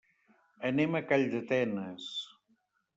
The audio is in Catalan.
Anem a Calldetenes.